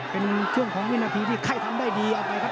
เป็นช่วงของวินาทีที่ไข้ทำได้ดีเอาไปครับ